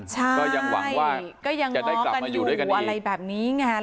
ใช่อยหรอกก็ยังออกกันอยู่อะไรแบบนี้งั้น